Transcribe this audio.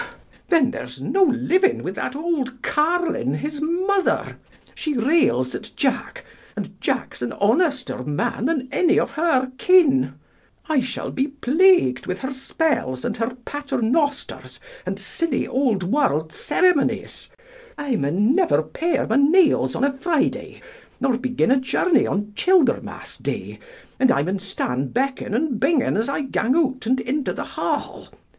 Then there's no living with that old carline, his mother; she rails at Jack, and Jack's an honester man than any of her kin: I shall be plagued with her spells and her Paternosters, and silly Old World ceremonies; I mun never pare my nails on a Friday, nor begin a journey on Childermas Day; and I mun stand becking and binging as I gang out and into the hall.